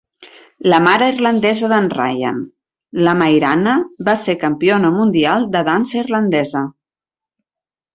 La mare irlandesa d'en Ryan, la Mairanna, va ser campiona mundial de dansa irlandesa.